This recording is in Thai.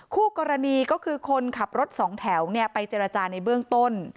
คู่กรณีก็คือคนขับรถสองแถวไปเจรจาในเบื้องต้น